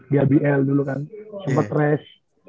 di ibl dulu kan sempet rest